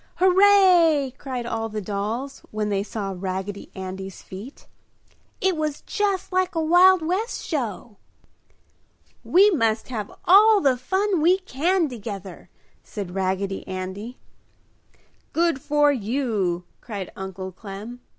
"Hooray!" cried all the dolls when they saw Raggedy Andy's feat. "It was just like a Wild West Show!" "We must all have all the fun we can together!" said Raggedy Andy. "Good for you!" cried Uncle Clem.